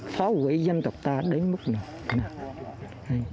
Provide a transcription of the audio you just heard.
phá hủy dân tộc ta đến mức này